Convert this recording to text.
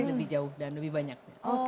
lebih jauh dan lebih banyak